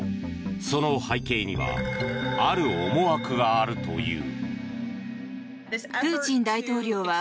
その背景にはある思惑があるという。